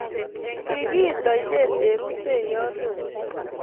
kikiit oinet eng' rutoiye neoo